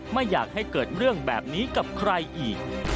ไม่อยากให้เกิดเรื่องแบบนี้กับใครอีก